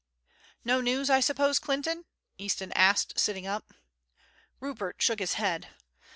"No news, I suppose, Clinton?" Easton asked, sitting up. Rupert shook his head.